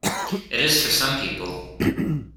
It is for some people.